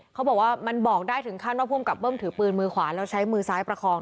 เขาบอกว่ามันบอกได้ถึงขั้นว่าภูมิกับเบิ้มถือปืนมือขวาแล้วใช้มือซ้ายประคอง